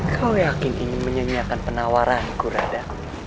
kau yakin ingin menyanyiakan penawaranku radha